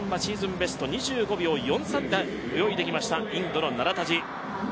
ベスト２５秒４３で泳いできましたインドのナラタジ。